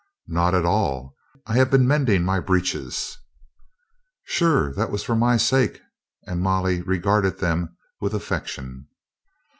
"Not at all. I have been mending my breeches." "Sure, that was for my sake," and Molly re garded them with affection.